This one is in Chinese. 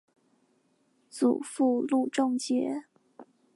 祖父路仲节。